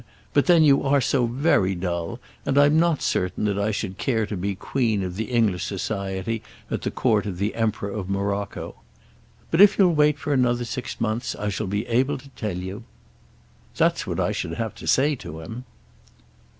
But then you are so very dull, and I'm not certain that I should care to be Queen of the English society at the Court of the Emperor of Morocco! But if you'll wait for another six months, I shall be able to tell you.' That's what I should have to say to him."